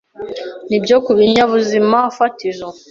Nibyo ku binyabuzima fatizo